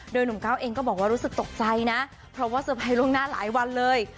โดยหนุ่มก้าวเองก็บอกว่ารู้สึกตกใจนะเพราะว่าเซอร์ไพรส์ล่วงหน้าหลายวันเลย